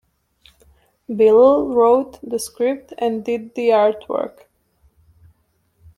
Bilal wrote the script and did the artwork.